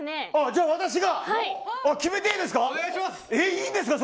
じゃあ私が決めていいですか？